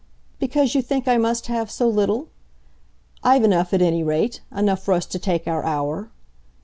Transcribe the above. "Because you think I must have so little? I've enough, at any rate enough for us to take our hour.